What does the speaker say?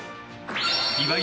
岩井